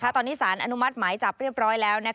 ตอนนี้สารอนุมัติหมายจับเรียบร้อยแล้ว